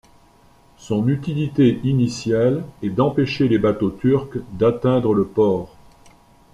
Son utilité initiale est d'empêcher les bateaux turcs d'atteindre le port.